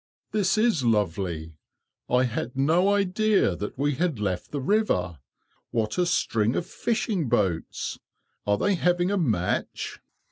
"This is lovely. I had no idea that we had left the river. What a string of fishing boats! Are they having a match?"